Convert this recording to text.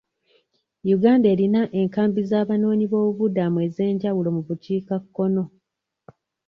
Uganda erina enkambi z'abanoonyiboobubudamu ez'enjawulo mu bukkikakkono.